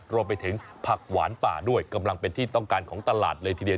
รวมไปถึงผักหวานป่าด้วยกำลังเป็นที่ต้องการของตลาดเลยทีเดียว